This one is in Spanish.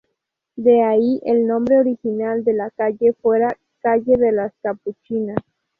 De ahí que el nombre original de la calle fuera "Calle de las Capuchinas".